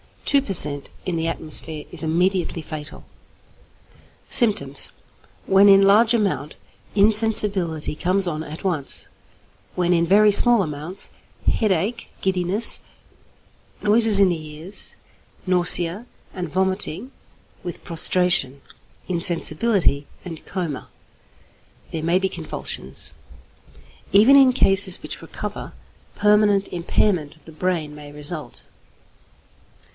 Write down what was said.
Two per cent. in the atmosphere is immediately fatal. Symptoms. When in large amount, insensibility comes on at once; when in very small amounts, headache, giddiness, noises in the ears, nausea, and vomiting, with prostration, insensibility, and coma. There may be convulsions. Even in cases which recover, permanent impairment of the brain may result.